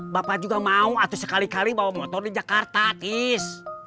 bapak juga mau atau sekali kali bawa motor di jakarta artis